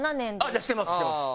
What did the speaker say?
じゃあしてますしてます。